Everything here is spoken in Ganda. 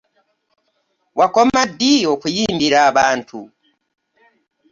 Wakoma ddi okuyimbira abantu?